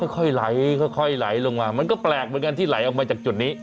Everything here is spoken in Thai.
ค่อยไหลค่อยไหลลงมามันก็แปลกเหมือนกันที่ไหลออกมาจากจุดนี้